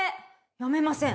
辞めません。